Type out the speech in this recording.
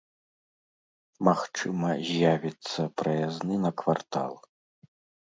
Магчыма, з'явіцца праязны на квартал.